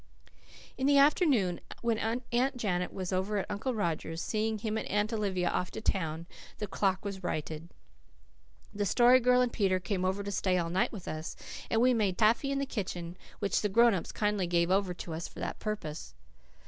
In the afternoon, when Aunt Janet was over at Uncle Roger's, seeing him and Aunt Olivia off to town, the clock was righted. The Story Girl and Peter came over to stay all night with us, and we made taffy in the kitchen, which the grown ups kindly gave over to us for that purpose.